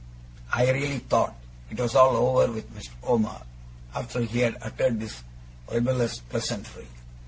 I really thought it was all over with Mr. Omer, after he had uttered this libellous pleasantry.